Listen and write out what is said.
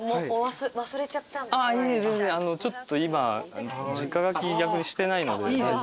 いえ全然ちょっと今じか書き逆にしてないので。